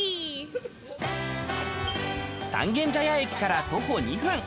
三軒茶屋駅から徒歩２分。